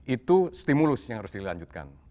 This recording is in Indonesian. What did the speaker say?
itu stimulus yang harus dilanjutkan